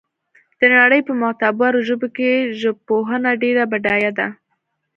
د نړۍ په معتبرو ژبو کې ژبپوهنه ډېره بډایه ده